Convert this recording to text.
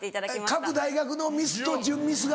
各大学のミスと準ミスが。